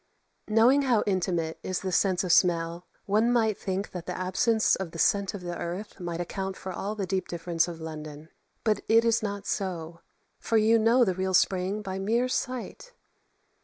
Knowing how intimate is the sense of smell, one might think that the absence of the scent of the earth might account for all the deep difference of London. But it is not so; for you know the real spring by mere sight.